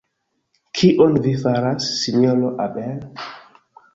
Kion Vi faras, Sinjoro Abel?